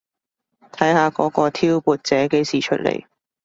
睇下嗰個挑撥者幾時出嚟